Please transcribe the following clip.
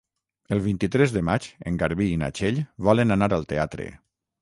El vint-i-tres de maig en Garbí i na Txell volen anar al teatre.